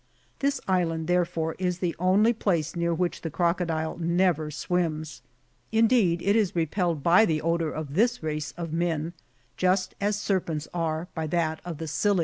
This island, therefore, is the only place near which the crocodile never swims ; indeed, it is repelled by the odour of this race of men, just as serpents are by that of the PsyUi.